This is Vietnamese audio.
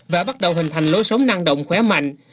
và bắt đầu hình thành lối sống năng động khỏe mạnh